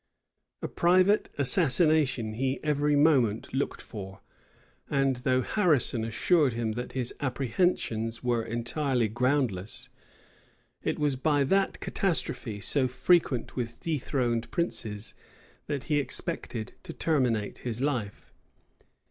A private assassination he every moment looked for; and though Harrison assured him that his apprehensions were entirely groundless, it was by that catastrophe, so frequent with dethroned princes, that he expected to terminate his life.